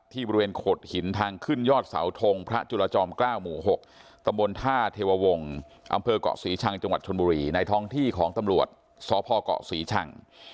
บริเวณโขดหินทางขึ้นยอดเสาทงพระจุลจอม๙หมู่๖ตำบลท่าเทววงศ์อำเภอกเกาะศรีชังจังหวัดชนบุรีในท้องที่ของตำรวจสพเกาะศรีชัง